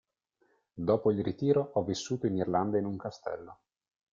Dopo il ritiro ha vissuto in Irlanda in un castello.